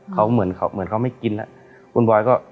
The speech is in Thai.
เขาเหมือนเขาเหมือนเขาไม่กินแล้วคุณบอยก็